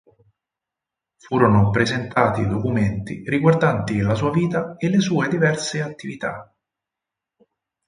Furono presentati documenti riguardanti la sua vita e le sue diverse attività.